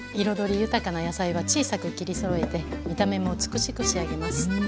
彩り豊かな野菜は小さく切りそろえて見た目も美しく仕上げます。